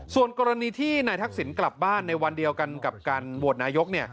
ส่วนกรณีที่นายทักษิณกลับบ้านในวันเดียวกันกับการโหวตนายก